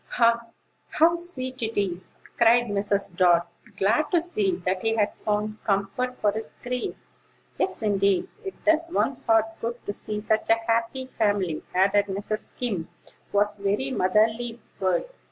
"Ah, how sweet it is!" cried Mrs. Dart, glad to see that he had found comfort for his grief. "Yes; indeed: it does one's heart good to see such a happy family," added Mrs. Skim, who was a very motherly bird.